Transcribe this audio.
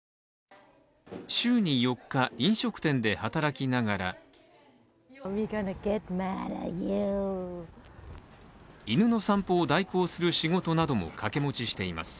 週に４日、飲食店で働きながら犬の散歩を代行する仕事なども掛け持ちしています。